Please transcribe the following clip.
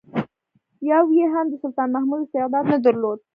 یو یې هم د سلطان محمود استعداد نه درلود.